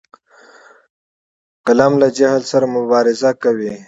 قلم له جهل سره مبارزه کوي